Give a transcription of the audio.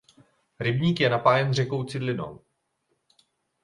Rybník je napájen řekou Cidlinou.